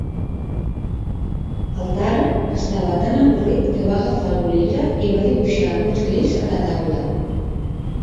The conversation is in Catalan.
El Taran estava tan avorrit que va agafar el bolígraf i va dibuixar alguns glifs a la taula.